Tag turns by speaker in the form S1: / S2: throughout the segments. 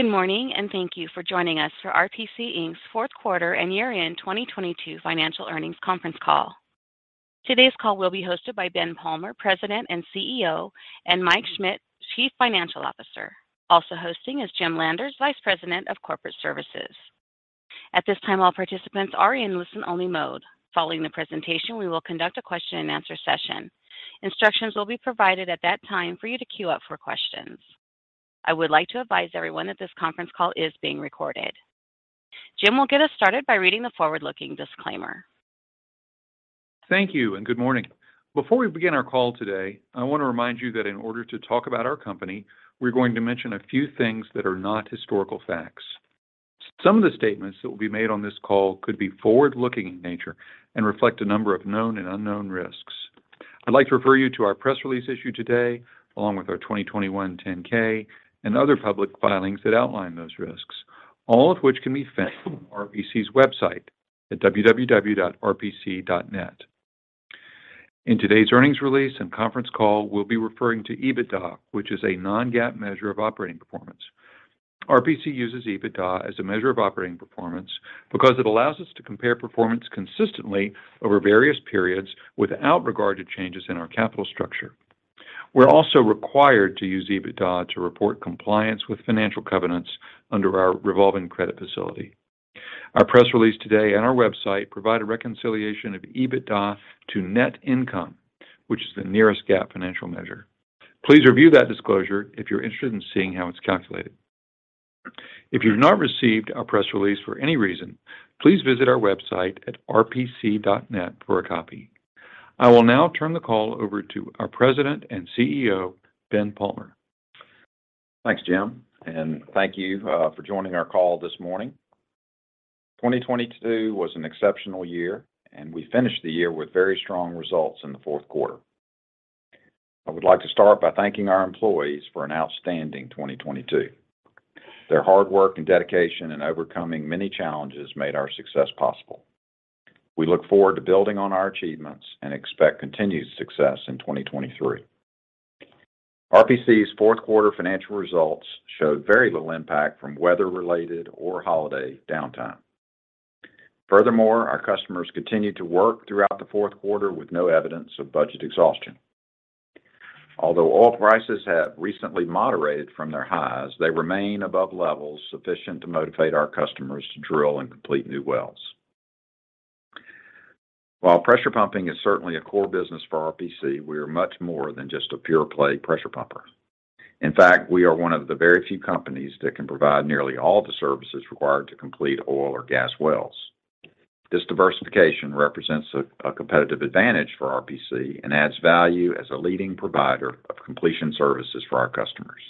S1: Good morning, and thank you for joining us for RPC, Inc.'s fourth quarter and year-end 2022 financial earnings conference call. Today's call will be hosted by Ben Palmer, President and CEO, and Mike Schmit, Chief Financial Officer. Also hosting is Jim Landers, Vice President of Corporate Services. At this time, all participants are in listen-only mode. Following the presentation, we will conduct a question-and-answer session. Instructions will be provided at that time for you to queue up for questions. I would like to advise everyone that this conference call is being recorded. Jim will get us started by reading the forward-looking disclaimer.
S2: Thank you. Good morning. Before we begin our call today, I wanna remind you that in order to talk about our company, we're going to mention a few things that are not historical facts. Some of the statements that will be made on this call could be forward-looking in nature and reflect a number of known and unknown risks. I'd like to refer you to our press release issued today, along with our 2021 10-K and other public filings that outline those risks, all of which can be found on RPC's website at www.rpc.net. In today's earnings release and conference call, we'll be referring to EBITDA, which is a non-GAAP measure of operating performance. RPC uses EBITDA as a measure of operating performance because it allows us to compare performance consistently over various periods without regard to changes in our capital structure. We're also required to use EBITDA to report compliance with financial covenants under our revolving credit facility. Our press release today on our website provide a reconciliation of EBITDA to net income, which is the nearest GAAP financial measure. Please review that disclosure if you're interested in seeing how it's calculated. If you've not received our press release for any reason, please visit our website at rpc.net for a copy. I will now turn the call over to our President and CEO, Ben Palmer.
S3: Thanks, Jim. Thank you for joining our call this morning. 2022 was an exceptional year. We finished the year with very strong results in the fourth quarter. I would like to start by thanking our employees for an outstanding 2022. Their hard work and dedication in overcoming many challenges made our success possible. We look forward to building on our achievements and expect continued success in 2023. RPC's fourth quarter financial results showed very little impact from weather-related or holiday downtime. Furthermore, our customers continued to work throughout the fourth quarter with no evidence of budget exhaustion. Although oil prices have recently moderated from their highs, they remain above levels sufficient to motivate our customers to drill and complete new wells. While pressure pumping is certainly a core business for RPC, we are much more than just a pure-play pressure pumper. In fact, we are one of the very few companies that can provide nearly all the services required to complete oil or gas wells. This diversification represents a competitive advantage for RPC and adds value as a leading provider of completion services for our customers.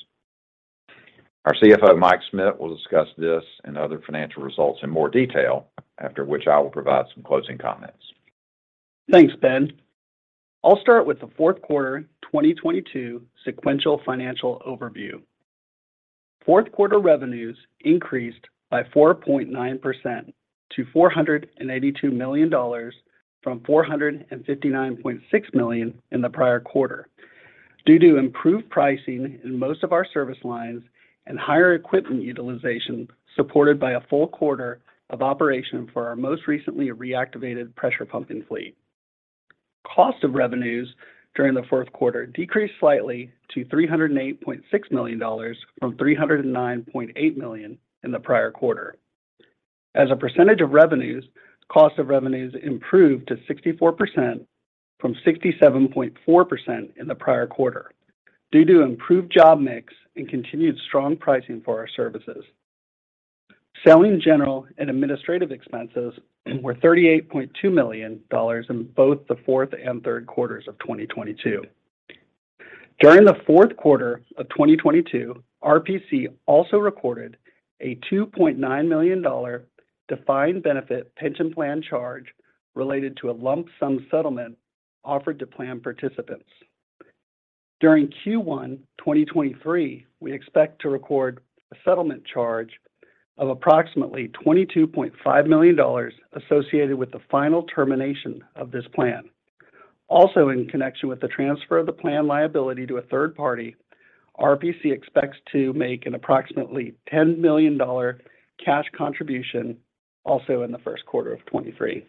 S3: Our CFO, Mike Schmit, will discuss this and other financial results in more detail, after which I will provide some closing comments.
S4: Thanks, Ben. I'll start with the fourth quarter 2022 sequential financial overview. Fourth quarter revenues increased by 4.9% to $482 million from $459.6 million in the prior quarter. Due to improved pricing in most of our service lines and higher equipment utilization, supported by a full quarter of operation for our most recently reactivated pressure pumping fleet. Cost of revenues during the fourth quarter decreased slightly to $308.6 million from $309.8 million in the prior quarter. As a percentage of revenues, cost of revenues improved to 64% from 67.4% in the prior quarter due to improved job mix and continued strong pricing for our services. Selling general and administrative expenses were $38.2 million in both the fourth and third quarters of 2022. During the fourth quarter of 2022, RPC also recorded a $2.9 million defined benefit pension plan charge related to a lump sum settlement offered to plan participants. During Q1 2023, we expect to record a settlement charge of approximately $22.5 million associated with the final termination of this plan. In connection with the transfer of the plan liability to a third party, RPC expects to make an approximately $10 million cash contribution also in the first quarter of 2023.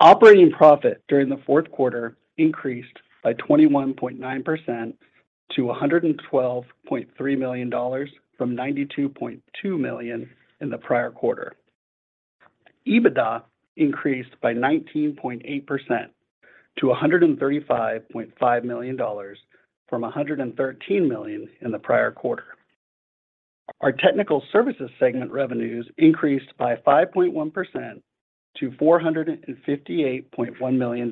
S4: Operating profit during the fourth quarter increased by 21.9% to $112.3 million from $92.2 million in the prior quarter. EBITDA increased by 19.8% to $135.5 million from $113 million in the prior quarter. Our Technical Services segment revenues increased by 5.1% to $458.1 million.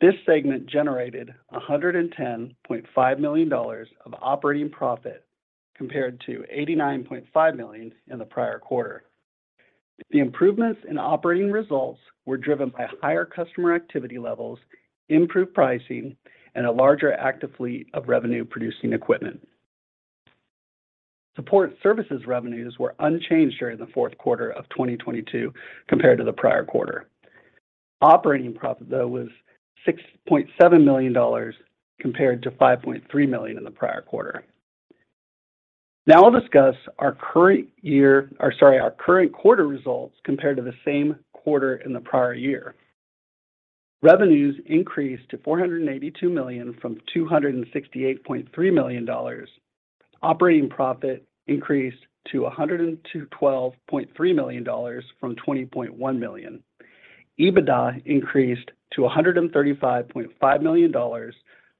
S4: This segment generated $110.5 million of operating profit compared to $89.5 million in the prior quarter. The improvements in operating results were driven by higher customer activity levels, improved pricing, and a larger active fleet of revenue-producing equipment. Support Services revenues were unchanged during the fourth quarter of 2022 compared to the prior quarter. Operating profit, though, was $6.7 million compared to $5.3 million in the prior quarter. I'll discuss our current quarter results compared to the same quarter in the prior year. Revenues increased to $482 million from $268.3 million. Operating profit increased to $112.3 million from $20.1 million. EBITDA increased to $135.5 million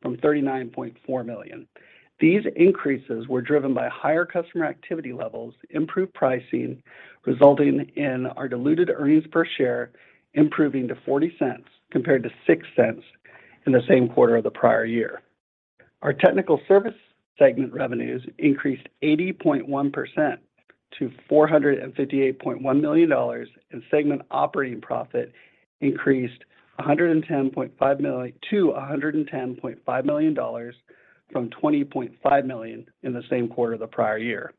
S4: from $39.4 million. These increases were driven by higher customer activity levels, improved pricing, resulting in our diluted earnings per share improving to $0.40 compared to $0.06 in the same quarter of the prior year. Our Technical Services segment revenues increased 80.1% to $458.1 million, and segment operating profit increased to $110.5 million from $20.5 million in the same quarter the prior year.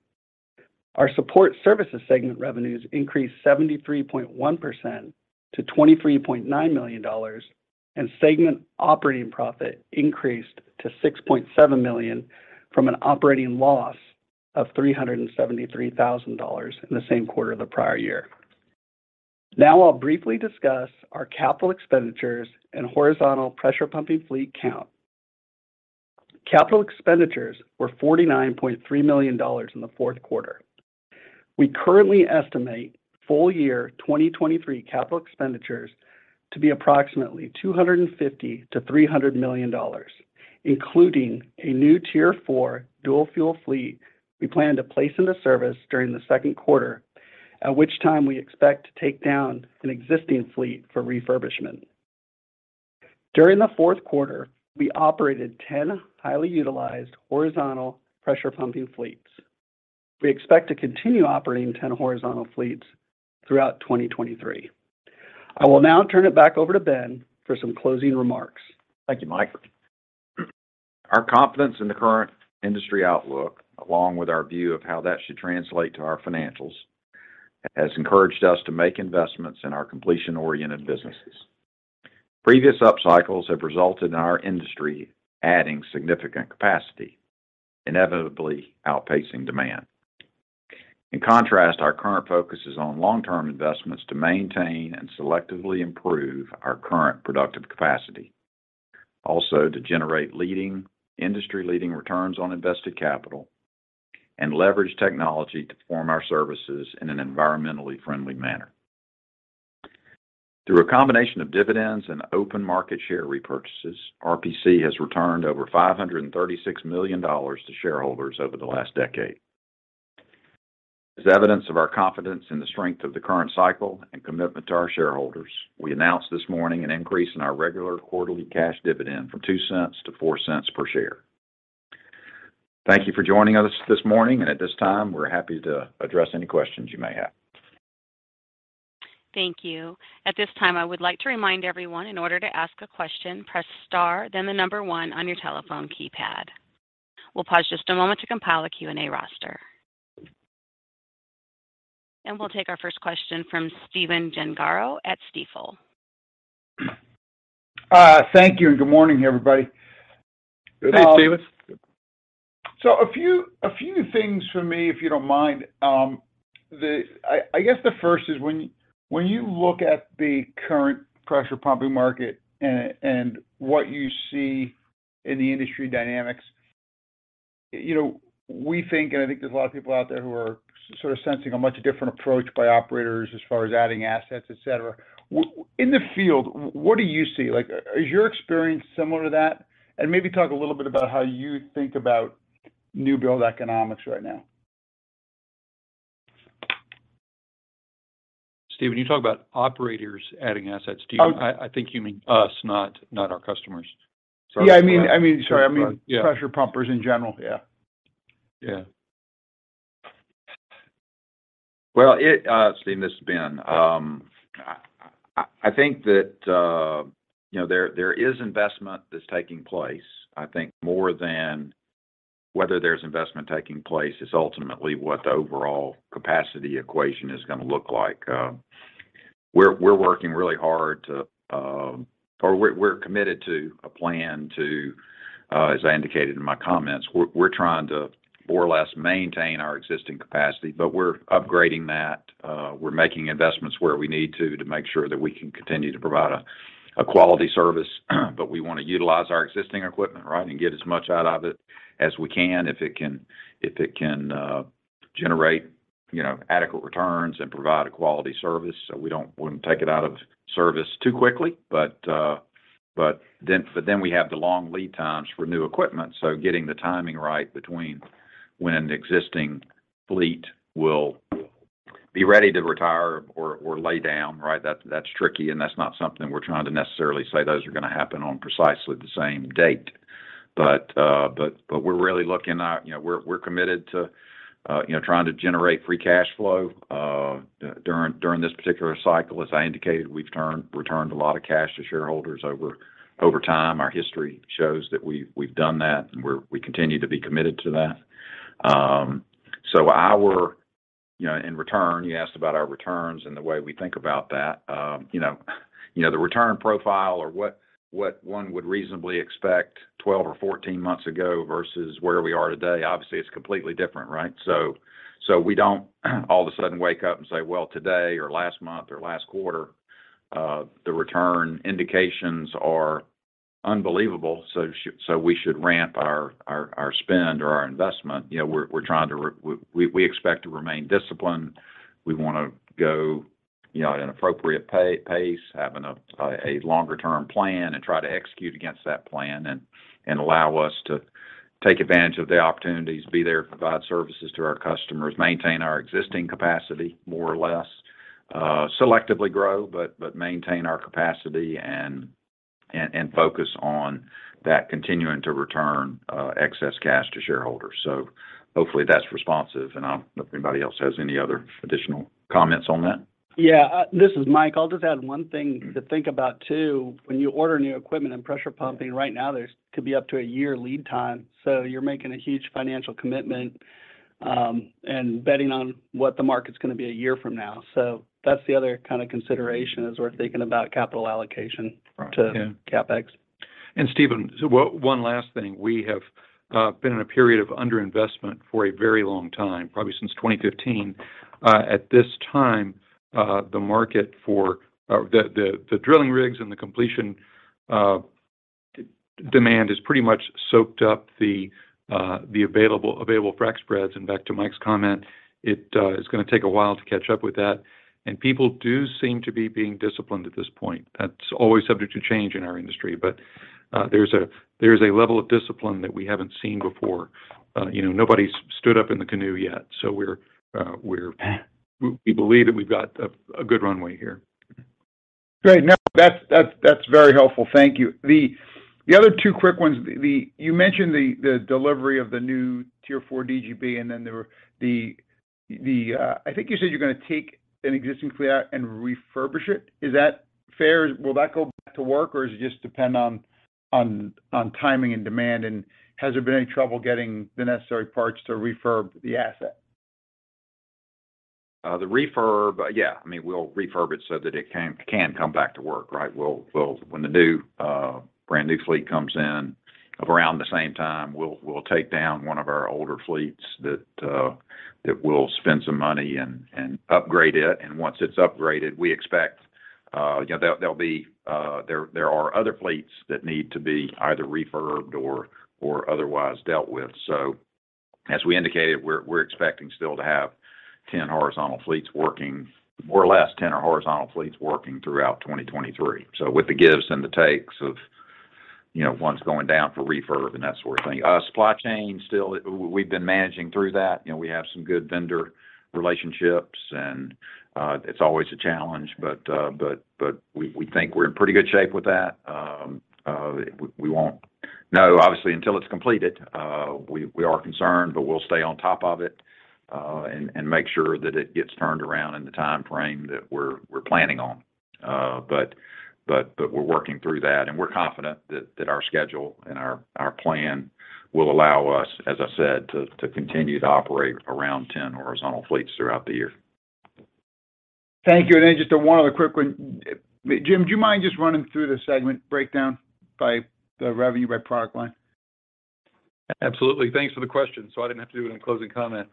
S4: Our Support Services segment revenues increased 73.1% to $23.9 million, and segment operating profit increased to $6.7 million from an operating loss of $373,000 in the same quarter the prior year. I'll briefly discuss our capital expenditures and horizontal pressure pumping fleet count. Capital expenditures were $49.3 million in the fourth quarter. We currently estimate full year 2023 capital expenditures to be approximately $250 million-$300 million, including a new Tier 4 dual fuel fleet we plan to place into service during the second quarter, at which time we expect to take down an existing fleet for refurbishment. During the fourth quarter, we operated 10 highly utilized horizontal pressure pumping fleets. We expect to continue operating 10 horizontal fleets throughout 2023. I will now turn it back over to Ben for some closing remarks.
S3: Thank you, Mike. Our confidence in the current industry outlook, along with our view of how that should translate to our financials, has encouraged us to make investments in our completion-oriented businesses. Previous upcycles have resulted in our industry adding significant capacity, inevitably outpacing demand. In contrast, our current focus is on long-term investments to maintain and selectively improve our current productive capacity. Also, to generate industry-leading returns on invested capital and leverage technology to form our services in an environmentally friendly manner. Through a combination of dividends and open market share repurchases, RPC has returned over $536 million to shareholders over the last decade. As evidence of our confidence in the strength of the current cycle and commitment to our shareholders, we announced this morning an increase in our regular quarterly cash dividend from $0.02- $0.04 per share. Thank you for joining us this morning, and at this time, we're happy to address any questions you may have.
S1: Thank you. At this time, I would like to remind everyone, in order to ask a question, press star, then 1 on your telephone keypad. We'll pause just a moment to compile a Q&A roster. We'll take our first question from Stephen Gengaro at Stifel.
S5: Thank you, and good morning, everybody.
S3: Good day, Stephen.
S5: A few things from me, if you don't mind. I guess the first is when you look at the current pressure pumping market and what you see in the industry dynamics, you know, we think, and I think there's a lot of people out there who are sort of sensing a much different approach by operators as far as adding assets, et cetera. In the field, what do you see? Like, is your experience similar to that? Maybe talk a little bit about how you think about new build economics right now.
S3: Stephen, you talk about operators adding assets.
S5: Oh...
S3: I think you mean us, not our customers. Sorry.
S5: Yeah, I mean, sorry, I mean pressure pumpers in general. Yeah.
S3: Well, Steve, this is Ben. I think that, you know, there is investment that's taking place. I think more than whether there's investment taking place is ultimately what the overall capacity equation is gonna look like. We're working really hard to, or we're committed to a plan to, as I indicated in my comments, we're trying to more or less maintain our existing capacity, but we're upgrading that. We're making investments where we need to make sure that we can continue to provide a quality service, but we wanna utilize our existing equipment, right? And get as much out of it as we can. If it can generate, you know, adequate returns and provide a quality service. We don't want to take it out of service too quickly. We have the long lead times for new equipment, so getting the timing right between when existing fleet will be ready to retire or lay down, right? That's tricky, and that's not something we're trying to necessarily say those are gonna happen on precisely the same date. We're really looking at, you know, we're committed to, you know, trying to generate free cash flow during this particular cycle. As I indicated, we've returned a lot of cash to shareholders over time. Our history shows that we've done that, and we continue to be committed to that. You know, in return, you asked about our returns and the way we think about that. You know, the return profile or what one would reasonably expect 12 or 14 months ago versus where we are today, obviously it's completely different, right? We don't all of a sudden wake up and say, "Well, today or last month or last quarter, the return indications are unbelievable, so we should ramp our spend or our investment." You know, we're trying to we expect to remain disciplined. We wanna go, you know, at an appropriate pace, have a longer-term plan. Try to execute against that plan and allow us to take advantage of the opportunities, be there to provide services to our customers, maintain our existing capacity, more or less, selectively grow, but maintain our capacity and focus on that continuing to return excess cash to shareholders. Hopefully that's responsive, and I'll... If anybody else has any other additional comments on that.
S4: Yeah. This is Mike. I'll just add one thing to think about too. When you order new equipment and pressure pumping, right now there's could be up to one year lead time. You're making a huge financial commitment, and betting on what the market's gonna be one year from now. That's the other kind of consideration as we're thinking about capital allocation.
S3: Right. Yeah.
S4: to CapEx.
S2: Stephen, so one last thing. We have been in a period of underinvestment for a very long time, probably since 2015. At this time, the market for the drilling rigs and the completion demand is pretty much soaked up the available frac spreads. Back to Mike's comment, it is gonna take a while to catch up with that. People do seem to be being disciplined at this point. That's always subject to change in our industry. There's a level of discipline that we haven't seen before. You know, nobody's stood up in the canoe yet. We're, we believe that we've got a good runway here.
S5: Great. No, that's very helpful. Thank you. The other two quick ones. You mentioned the delivery of the new Tier 4 DGB, and then there were, I think you said you're gonna take an existing fleet out and refurbish it. Is that fair? Will that go back to work, or does it just depend on timing and demand? Has there been any trouble getting the necessary parts to refurb the asset?
S3: The refurb, yeah. I mean, we'll refurb it so that it can come back to work, right? We'll When the new brand-new fleet comes in around the same time, we'll take down one of our older fleets that we'll spend some money and upgrade it. Once it's upgraded, we expect, you know, there'll be other fleets that need to be either refurbed or otherwise dealt with. As we indicated, we're expecting still to have 10 horizontal fleets working, more or less 10 horizontal fleets working throughout 2023. With the gives and the takes of, you know, ones going down for refurb and that sort of thing. Supply chain still, we've been managing through that. You know, we have some good vendor relationships and it's always a challenge. We think we're in pretty good shape with that. We won't know obviously until it's completed. We are concerned, but we'll stay on top of it and make sure that it gets turned around in the timeframe that we're planning on. We're working through that, and we're confident that our schedule and our plan will allow us, as I said, to continue to operate around 10 horizontal fleets throughout the year.
S5: Thank you. Just one other quick one. Jim, do you mind just running through the segment breakdown by the revenue by product line?
S2: Absolutely. Thanks for the question, so I didn't have to do it in closing comment.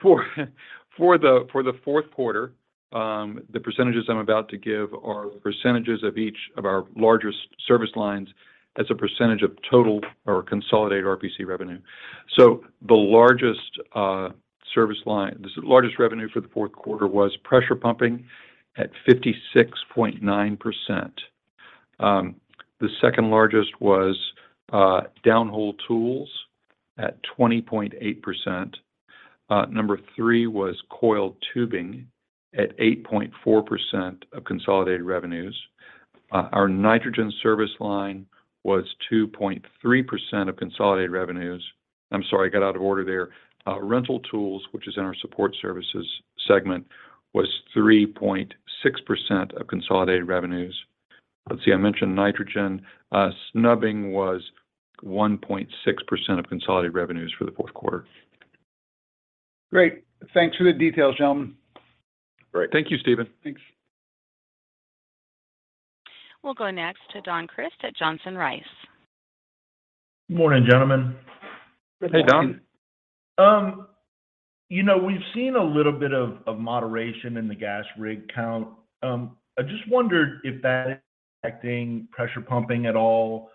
S2: For the fourth quarter, the percentages I'm about to give are percentages of each of our larger service lines as a percentage of total or consolidated RPC revenue. The largest service line, the largest revenue for the fourth quarter was pressure pumping at 56.9%. The second largest was downhole tools at 20.8%. Number three was coiled tubing at 8.4% of consolidated revenues. Our nitrogen service line was 2.3% of consolidated revenues. I'm sorry, I got out of order there. Rental tools, which is in our Support Services segment, was 3.6% of consolidated revenues. Let's see. I mentioned nitrogen. snubbing was 1.6% of consolidated revenues for the fourth quarter.
S5: Great. Thanks for the details, gentlemen.
S3: Great.
S2: Thank you, Stephen.
S5: Thanks.
S1: We'll go next to Don Crist at Johnson Rice.
S6: Morning, gentlemen.
S3: Good morning.
S2: Hey, Don.
S6: You know, we've seen a little bit of moderation in the gas rig count. I just wondered if that is impacting pressure pumping at all.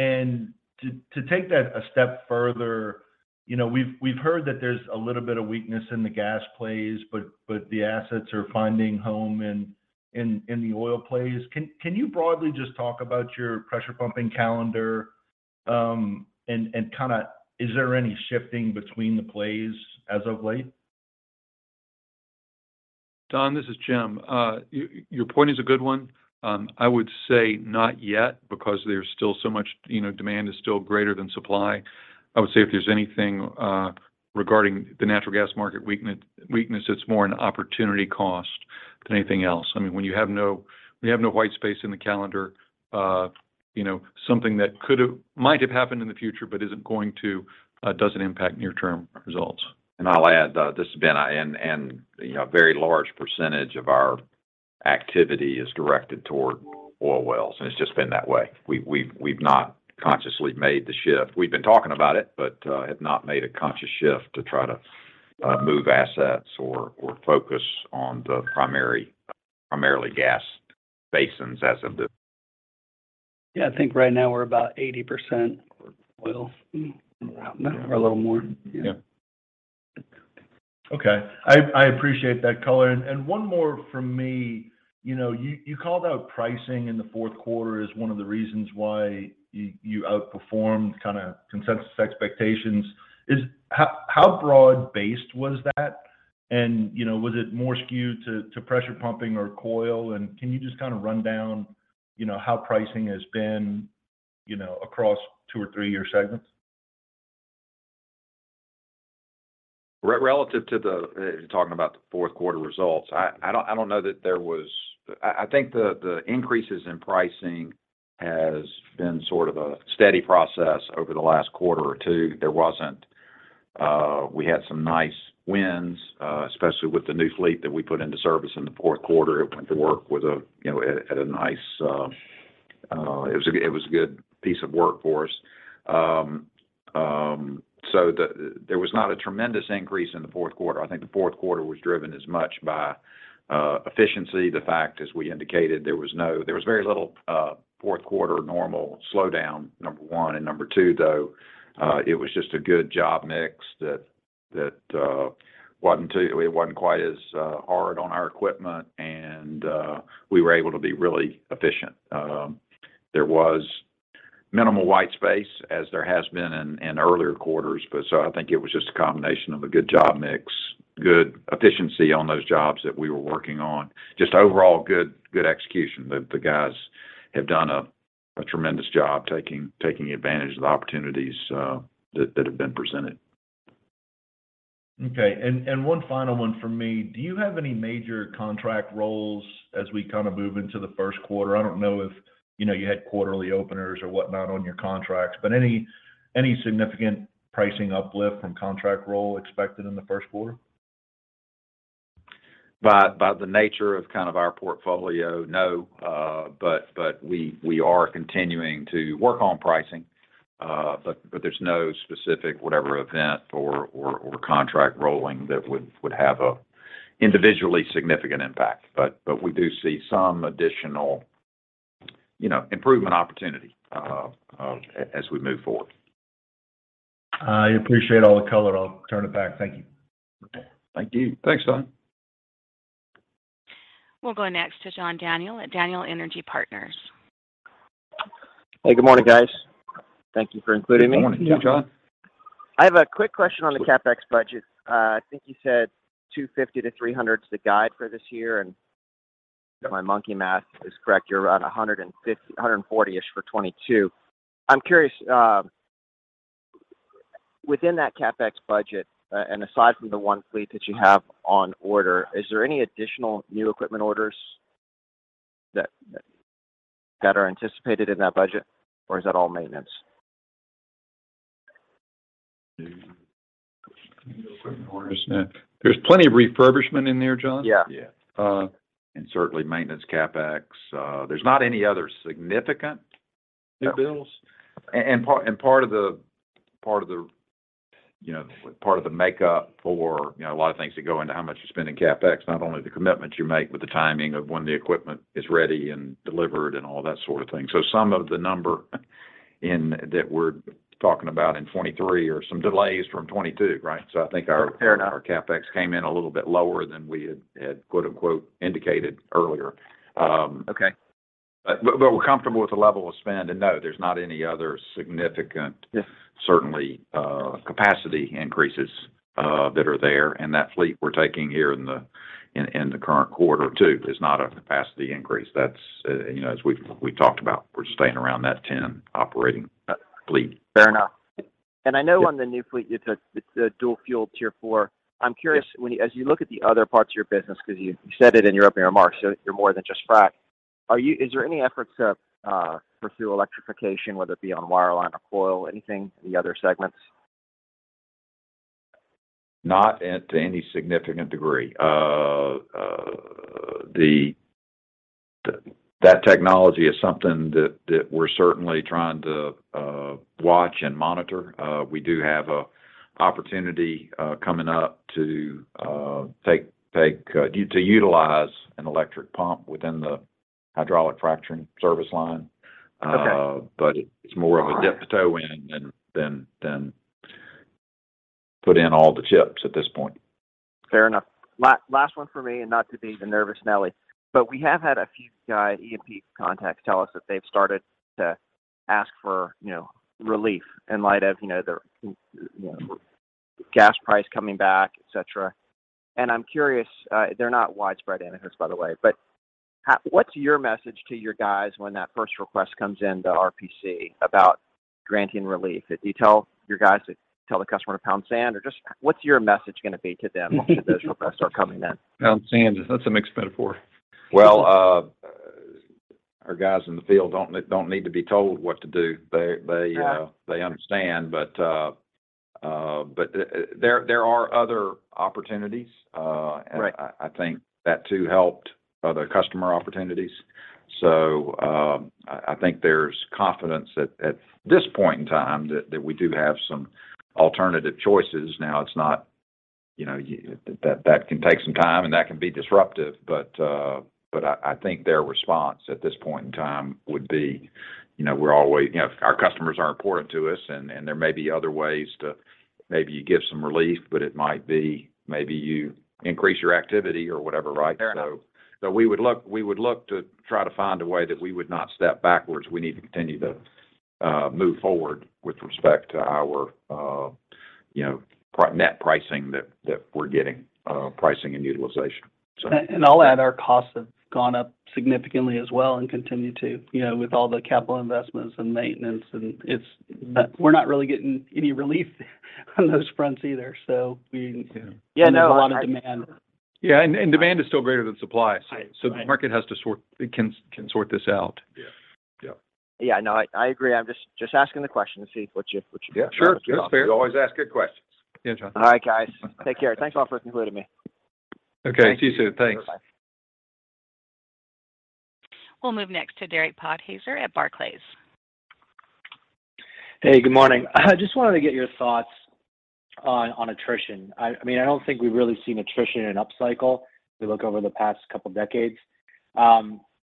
S6: To take that a step further, you know, we've heard that there's a little bit of weakness in the gas plays, but the assets are finding home in the oil plays. Can you broadly just talk about your pressure pumping calendar, and kinda is there any shifting between the plays as of late?
S2: Don, this is Jim. Your point is a good one. I would say not yet because there's still so much, you know, demand is still greater than supply. I would say if there's anything, regarding the natural gas market weakness, it's more an opportunity cost. than anything else. I mean, when you have no white space in the calendar, you know, something that might have happened in the future but isn't going to, doesn't impact near-term results.
S3: I'll add, this has been and, you know, a very large percentage of our activity is directed toward oil wells, and it's just been that way. We've not consciously made the shift. We've been talking about it, but, have not made a conscious shift to try to move assets or focus on primarily gas basins as of this.
S4: Yeah, I think right now we're about 80% oil or a little more.
S3: Yeah.
S6: Okay. I appreciate that color. One more from me. You know, you called out pricing in the fourth quarter as one of the reasons why you outperformed kind of consensus expectations. How broad-based was that? You know, was it more skewed to pressure pumping or coil? Can you just kind of run down, you know, how pricing has been, you know, across two or three of your segments?
S3: Relative to the talking about the fourth quarter results, I don't know that there was. I think the increases in pricing has been sort of a steady process over the last quarter or two. There wasn't, we had some nice wins, especially with the new fleet that we put into service in the fourth quarter. It went to work with a, you know, at a nice, it was a good piece of work for us. There was not a tremendous increase in the fourth quarter. I think the fourth quarter was driven as much by efficiency. The fact, as we indicated, there was very little, fourth quarter normal slowdown, number one. Number two, though, it was just a good job mix that wasn't quite as hard on our equipment and we were able to be really efficient. There was minimal white space as there has been in earlier quarters. I think it was just a combination of a good job mix, good efficiency on those jobs that we were working on. Just overall good execution. The guys have done a tremendous job taking advantage of the opportunities that have been presented.
S6: Okay. One final one from me. Do you have any major contract rolls as we kind of move into the first quarter? I don't know if, you know, you had quarterly openers or whatnot on your contracts, but any significant pricing uplift from contract roll expected in the first quarter?
S3: By the nature of kind of our portfolio, no. We are continuing to work on pricing. There's no specific whatever event or contract rolling that would have a individually significant impact. We do see some additional, you know, improvement opportunity as we move forward.
S6: I appreciate all the color. I'll turn it back. Thank you.
S3: Thank you.
S4: Thanks, Don.
S1: We'll go next to John Daniel at Daniel Energy Partners.
S7: Hey, good morning, guys. Thank you for including me.
S3: Good morning.
S4: Yeah, John.
S7: I have a quick question on the CapEx budget. I think you said $250 million-$300 million's the guide for this year. If my monkey math is correct, you're around $140 million-ish for 2022. I'm curious, within that CapEx budget, and aside from the 1 fleet that you have on order, is there any additional new equipment orders that are anticipated in that budget, or is that all maintenance?
S3: There's plenty of refurbishment in there, John.
S7: Yeah.
S3: Yeah. Certainly maintenance CapEx. There's not any other significant new builds. Part of the, you know, part of the makeup for, you know, a lot of things that go into how much you spend in CapEx, not only the commitments you make, but the timing of when the equipment is ready and delivered and all that sort of thing. Some of the number that we're talking about in 2023 are some delays from 2022, right? I think.
S7: Fair enough.
S3: our CapEx came in a little bit lower than we had quote-unquote, indicated earlier.
S7: Okay.
S3: We're comfortable with the level of spend. No, there's not any other.
S7: Yeah...
S3: certainly, capacity increases, that are there. That fleet we're taking here in the current quarter too is not a capacity increase. That's, you know, as we've talked about, we're staying around that 10 operating, fleet.
S7: Fair enough. I know on the new fleet, it's a dual fuel Tier 4.
S3: Yeah.
S7: I'm curious, when you look at the other parts of your business, 'cause you said it in your opening remarks, so you're more than just frack. Is there any efforts to pursue electrification, whether it be on wireline or coil, anything, any other segments?
S3: Not at any significant degree. That technology is something that we're certainly trying to watch and monitor. We do have an opportunity coming up to utilize an electric pump within the hydraulic fracturing service line.
S7: Okay.
S3: it's more of a dip the toe in than put in all the chips at this point.
S7: Fair enough. Last one for me, not to be the nervous Nelly, but we have had a few E&P contacts tell us that they've started to ask for, you know, relief in light of, you know, the, you know, gas price coming back, et cetera. I'm curious, they're not widespread indicators, by the way, but what's your message to your guys when that first request comes into RPC about granting relief? Do you tell your guys to tell the customer to pound sand? Just what's your message gonna be to them once those requests start coming in?
S4: Pound sand. That's a mixed metaphor.
S3: Well, our guys in the field don't need to be told what to do. They understand. There are other opportunities.
S7: Right.
S3: and I think that too helped other customer opportunities. I think there's confidence at this point in time that we do have some alternative choices. Now, it's not, you know, that can take some time, and that can be disruptive. I think their response at this point in time would be, you know, we're always. You know, our customers are important to us, and there may be other ways to maybe give some relief, but it might be maybe you increase your activity or whatever, right?
S7: Fair enough.
S3: We would look to try to find a way that we would not step backwards. We need to continue to move forward with respect to our, you know, net pricing that we're getting, pricing and utilization.
S4: I'll add our costs have gone up significantly as well, and continue to, you know, with all the capital investments and maintenance, and it's. We're not really getting any relief on those fronts either.
S3: Yeah.
S4: There's a lot of demand.
S7: Yeah, no.
S4: Yeah, and demand is still greater than supply.
S7: Right. Right.
S4: The market has to sort... It can sort this out.
S3: Yeah. Yeah.
S7: Yeah, no, I agree. I'm just asking the question to see what you.
S3: Yeah, sure. Sure.
S7: have to offer.
S3: You always ask good questions.
S4: Yeah, John.
S7: All right, guys. Take care. Thanks all for including me.
S4: Thank you.
S3: Okay. See you soon. Thanks.
S7: Bye.
S1: We'll move next to Derek Podhaizer at Barclays.
S8: Hey, good morning. I just wanted to get your thoughts on attrition. I mean, I don't think we've really seen attrition in an up cycle if we look over the past couple decades.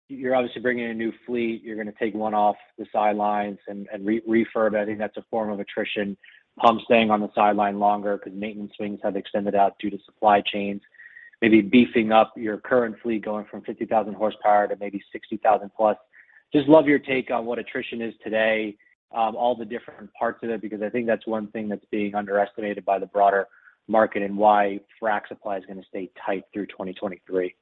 S8: You're obviously bringing in a new fleet. You're gonna take one off the sidelines and re-refurb. I think that's a form of attrition. Pumps staying on the sideline longer 'cause maintenance wings have extended out due to supply chains. Maybe beefing up your current fleet, going from 50,000 horsepower to maybe 60,000+. Just love your take on what attrition is today, all the different parts of it, because I think that's one thing that's being underestimated by the broader market, and why frack supply is gonna stay tight through 2023.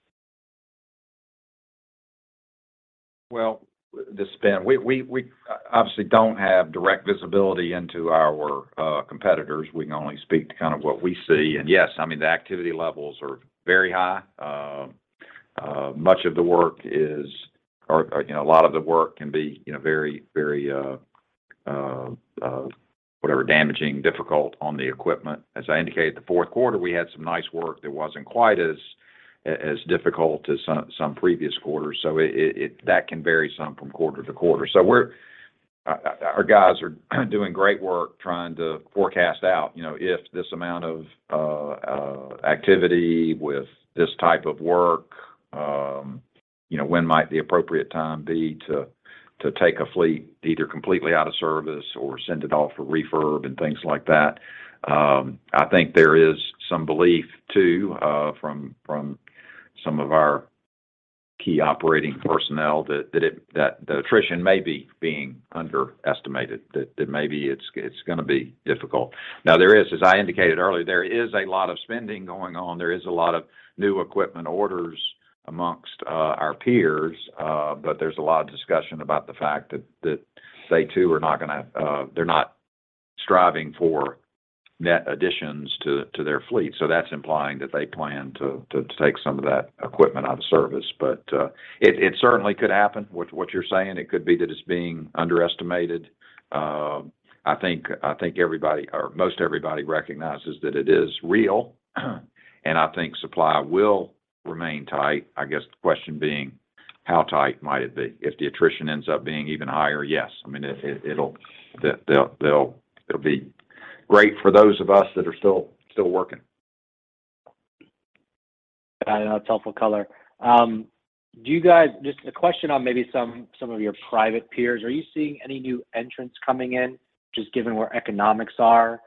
S3: Well, we obviously don't have direct visibility into our competitors. We can only speak to kind of what we see. Yes, I mean, the activity levels are very high. Or you know, a lot of the work can be, you know, very whatever, damaging, difficult on the equipment. As I indicated, the fourth quarter we had some nice work that wasn't quite as difficult as some previous quarters. That can vary some from quarter to quarter. Our guys are doing great work trying to forecast out, you know, if this amount of activity with this type of work, you know, when might the appropriate time be to take a fleet either completely out of service or send it off for refurb and things like that. I think there is some belief too, from some of our key operating personnel that the attrition may be being underestimated. That maybe it's gonna be difficult. There is, as I indicated earlier, a lot of spending going on. There is a lot of new equipment orders amongst our peers. There's a lot of discussion about the fact that they too are not gonna, they're not striving for net additions to their fleet. That's implying that they plan to take some of that equipment out of service. It, it certainly could happen, what you're saying. It could be that it's being underestimated. I think everybody or most everybody recognizes that it is real. I think supply will remain tight. I guess the question being how tight might it be? If the attrition ends up being even higher, yes. I mean, it'll be great for those of us that are still working.
S8: Got it. That's helpful color. Just a question on maybe some of your private peers. Are you seeing any new entrants coming in, just given where economics are?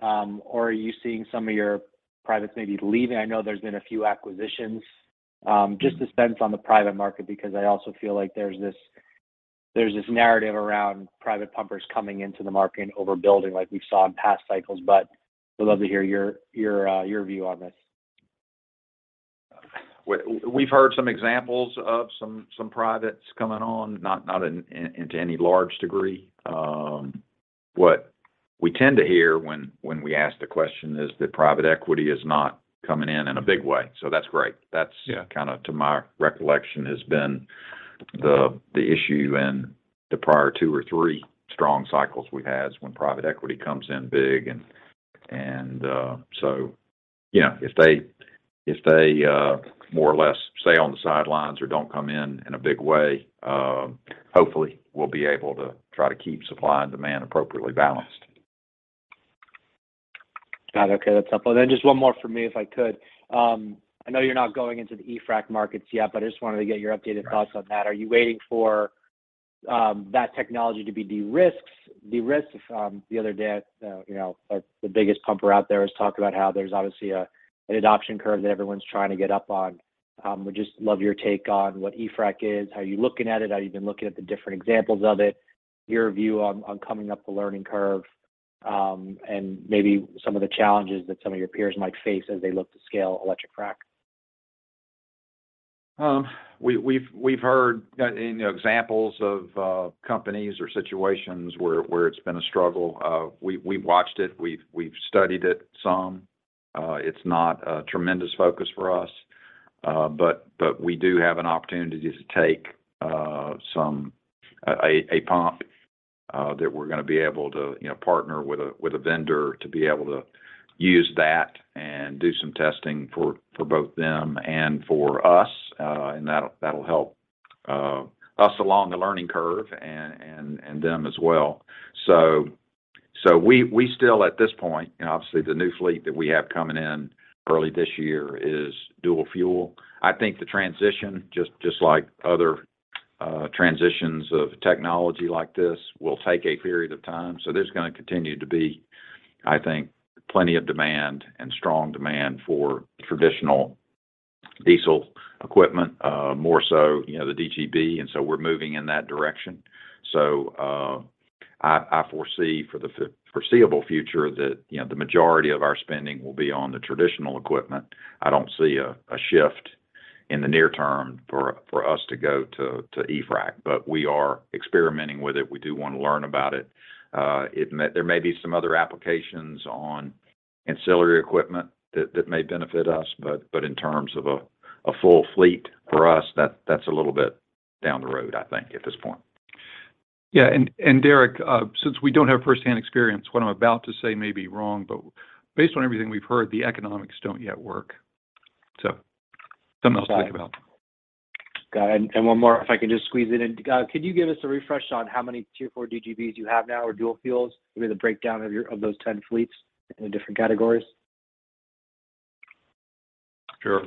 S8: Are you seeing some of your privates maybe leaving? I know there's been a few acquisitions. Just to spend on the private market because I also feel like there's this narrative around private pumpers coming into the market and overbuilding like we saw in past cycles, but would love to hear your view on this?
S3: We've heard some examples of some privates coming on, not in, into any large degree. What we tend to hear when we ask the question is that private equity is not coming in in a big way. That's great. That's-
S8: Yeah
S3: kinda to my recollection has been the issue in the prior two or three strong cycles we've had is when private equity comes in big and you know, if they more or less stay on the sidelines or don't come in in a big way, hopefully we'll be able to try to keep supply and demand appropriately balanced.
S8: Got it. Okay. That's helpful. Just one more for me, if I could. I know you're not going into the e-frac markets yet, but I just wanted to get your updated thoughts on that. Are you waiting for that technology to be de-risked? The other day, you know, the biggest pumper out there has talked about how there's obviously an adoption curve that everyone's trying to get up on. Would just love your take on what e-frac is. How are you looking at it? How have you been looking at the different examples of it? Your view on coming up the learning curve and maybe some of the challenges that some of your peers might face as they look to scale electric frac?
S3: We've heard, you know, examples of companies or situations where it's been a struggle. We watched it. We've studied it some. It's not a tremendous focus for us, but we do have an opportunity to take some a pump that we're gonna be able to, you know, partner with a vendor to be able to use that and do some testing for both them and for us. That'll help us along the learning curve and them as well. We still at this point. Obviously the new fleet that we have coming in early this year is dual fuel. I think the transition, just like other transitions of technology like this, will take a period of time. There's gonna continue to be, I think, plenty of demand and strong demand for traditional diesel equipment, more so, you know, the DGB, and so we're moving in that direction. I foresee for the foreseeable future that, you know, the majority of our spending will be on the traditional equipment. I don't see a shift in the near term for us to go to e-frac, but we are experimenting with it. We do wanna learn about it. There may be some other applications on ancillary equipment that may benefit us. In terms of a full fleet for us, that's a little bit down the road, I think, at this point.
S2: Yeah. Derek, since we don't have first-hand experience, what I'm about to say may be wrong, but based on everything we've heard, the economics don't yet work. Something else to think about.
S8: Got it. One more, if I can just squeeze it in. Could you give us a refresh on how many Tier 4 DGBs you have now or dual fuels? Maybe the breakdown of those 10 fleets in the different categories.
S2: Sure.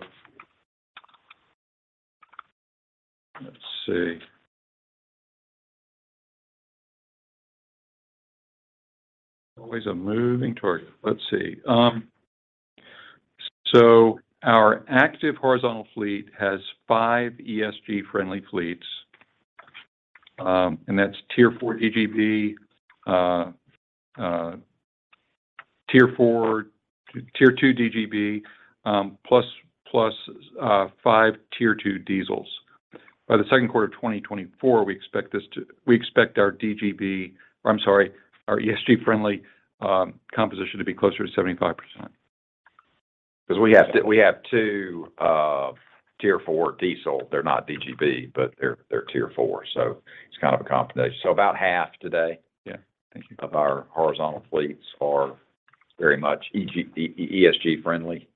S2: Let's see. Always a moving target. Let's see. Our active horizontal fleet has five ESG-friendly fleets. That's Tier 4 DGB, Tier 2 DGB, plus five Tier 2 diesels. By the second quarter of 2024 we expect our ESG-friendly composition to be closer to 75%.
S3: We have two Tier 4 diesel. They're not DGB, but they're Tier 4, so it's kind of a combination. About half today.
S2: Yeah. Thank you.
S3: of our horizontal fleets are very much ESG friendly.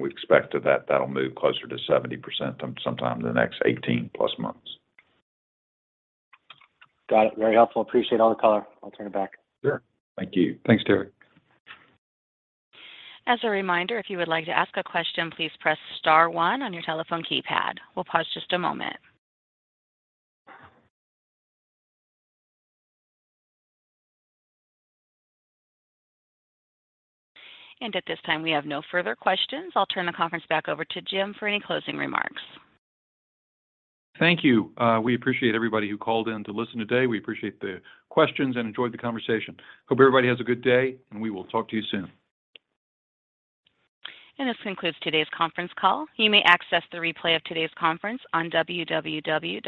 S3: We expect that that'll move closer to 70% some, sometime in the next 18+ months.
S8: Got it. Very helpful. Appreciate all the color. I'll turn it back.
S3: Sure. Thank you.
S2: Thanks, Derek.
S1: As a reminder, if you would like to ask a question, please press star one on your telephone keypad. We'll pause just a moment. At this time, we have no further questions. I'll turn the conference back over to Jim for any closing remarks.
S2: Thank you. We appreciate everybody who called in to listen today. We appreciate the questions and enjoyed the conversation. Hope everybody has a good day, and we will talk to you soon.
S1: This concludes today's conference call. You may access the replay of today's conference on www.rpc.net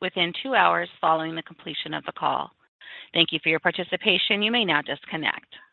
S1: within two hours following the completion of the call. Thank you for your participation. You may now disconnect.